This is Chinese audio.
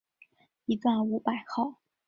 一段五百号